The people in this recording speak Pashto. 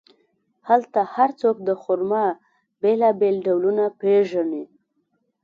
هلته هر څوک د خرما بیلابیل ډولونه پېژني.